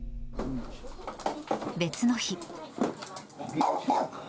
別の日。